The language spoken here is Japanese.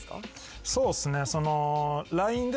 そうっすね。